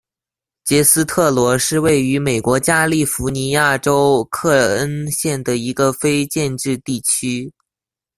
杰斯特罗是位于美国加利福尼亚州克恩县的一个非建制地区。